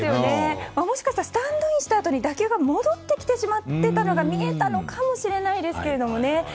もしかしたらスタンドインしたあとに打球が戻ってきていたのが見えたのかもしれないですけどね。